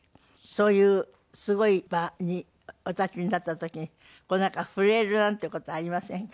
そういうすごい場にお立ちになった時になんか震えるなんて事はありませんか？